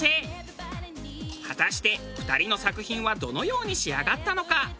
果たして２人の作品はどのように仕上がったのか？